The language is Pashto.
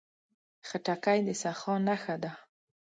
خټکی د سخا نښه ده.